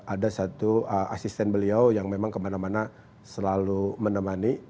ada satu asisten beliau yang memang kemana mana selalu menemani